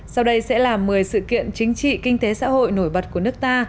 sau đây sẽ là một mươi sự kiện chính trị kinh tế xã hội nổi bật của nước ta